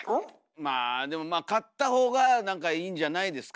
まあでもまあ勝った方が何かいいんじゃないですか？